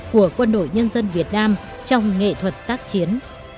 của quân đội nhân dân việt nam trong nghệ thuật tác chiến